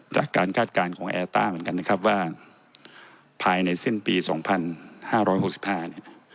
คาดการณ์ของแอลต้าเหมือนกันนะครับว่าภายในสิ้นปี๒๕๖๕เนี่ย